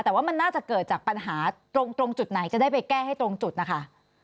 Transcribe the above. แต่ว่ามันน่าจะเกิดจากปัญหาตรงจุดไหนจะได้ไปแก้ให้ตรงจุดนะคะ